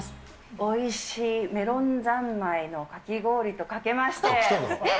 おいしいめろん三昧のかき氷とかけまして、えっ？